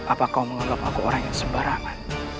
apa kau menganggap aku orang yang sembarangan